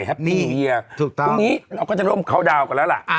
ฮะทุกท้องมีทุกต้องตรงนี้เราก็จะร่มข่าวดาวกันแล้วล่ะอ่า